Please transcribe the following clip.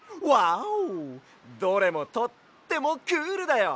どれもとってもクールだよ！